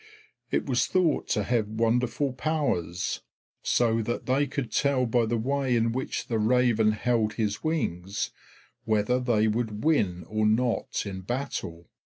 It was thought to have wonderful powers, so that they could tell by the way in which the raven held his wings whether they would win or not in battle.